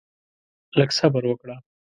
لږ صبر وکړه؛